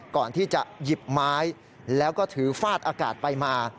ก่อนที่จะหยิบไม้แล้วก็ถือฟาดอากาศไปมา